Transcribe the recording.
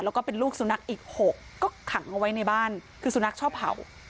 แล้วก็เป็นลูกสุนัขอีกหกก็ขังเอาไว้ในบ้านคือสุนัขชอบเผา